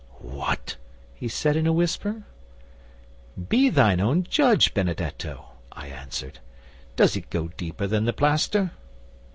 '"What?" he said in a whisper. '"Be thy own judge, Benedetto," I answered. "Does it go deeper than the plaster?"